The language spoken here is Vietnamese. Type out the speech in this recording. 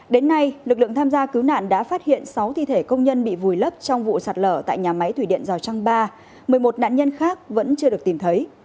đến nay lực lượng tham gia cứu nạn đã phát hiện sáu thi thể công nhân bị vùi lấp trong vụ sạt lở tại nhà máy thủy điện rào trăng ba một mươi một nạn nhân khác vẫn chưa được tìm thấy